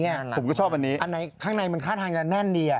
แค่ไหนมันค่าทางหนัดนี่